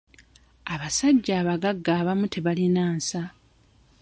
Abasajja abagagga abamu tebalina nsa.